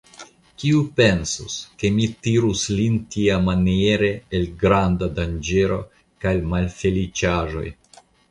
Kiu pensus, ke mi tirus lin tiamaniere el granda danĝero kaj malfeliĉaĵoj?